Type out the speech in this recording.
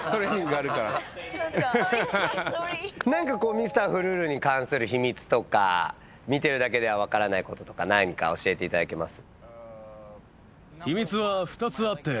ミスター・フルールに関する秘密とか見てるだけでは分からないこととか何か教えていただけます？